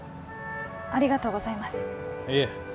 ありがとうございますいえ